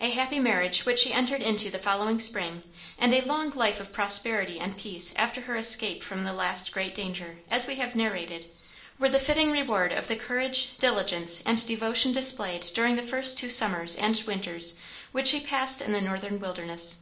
A happy marriage which she entered into the following spring, and a long life of prosperity and peace after her escape from the last great danger, as we have narrated, were the fitting reward of the courage, diligence, and devotion displayed during the two first summers and winters which she passed in the northern wilderness.